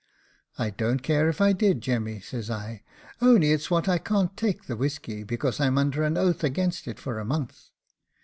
"I don't care if I did, Jemmy," says I; "only it is what I can't take the whisky, because I'm under an oath against it for a month."